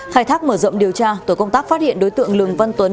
khai thác mở rộng điều tra tổ công tác phát hiện đối tượng lường văn tuấn